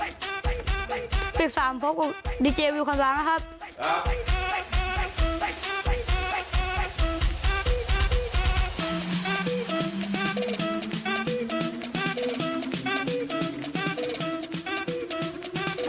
บิ๊กบิ๊กสามพกดีเจวิวคำสั่งนะครับครับ